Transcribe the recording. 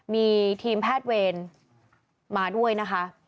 มีทีมแพทย์เวรมาด้วยนะคะ